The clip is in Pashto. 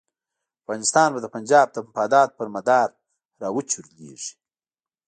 افغانستان به د پنجاب د مفاداتو پر مدار را وچورلېږي.